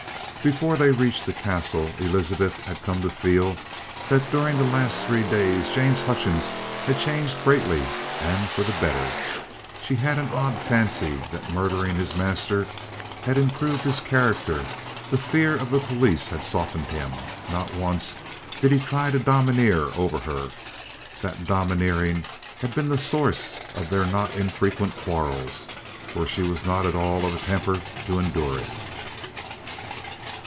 Before they reached the Castle, Elizabeth had come to feel that during the last three days James Hutchings had changed greatly, and for the better. She had an odd fancy that murdering his master had improved his character; the fear of the police had softened him. Not once did he try to domineer over her. That domineering had been the source of their not infrequent quarrels, for she was not at all of a temper to endure it.